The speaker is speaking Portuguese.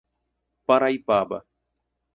Paraipaba